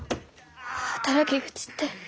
働き口って？